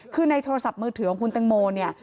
คือในโทรศัพท์มือถือของคุณตังโมเนี่ย